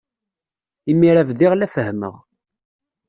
Imir-a bdiɣ la fehhmeɣ.